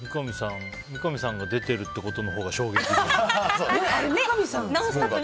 三上さんが出てるってことのほうが「ノンストップ！」